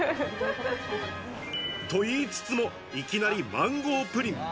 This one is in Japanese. と言いつつも、いきなりマンゴープリン。